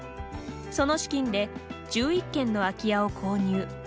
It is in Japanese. その資金で１１軒の空き家を購入。